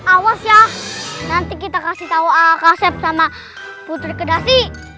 awas ya nanti kita kasih tahu kak asep sama putri kedasi